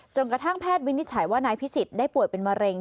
กระทั่งแพทย์วินิจฉัยว่านายพิสิทธิ์ได้ป่วยเป็นมะเร็ง